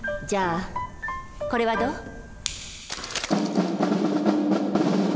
じゃあこれはどう？